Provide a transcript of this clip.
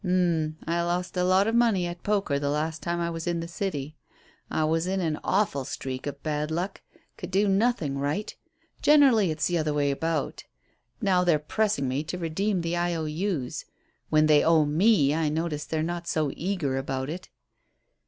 "Um I lost a lot of money at poker the last time I was in the city. I was in an awful streak of bad luck; could do nothing right. Generally it's the other way about. Now they're pressing me to redeem the I.O.U.s. When they owe me I notice they're not so eager about it."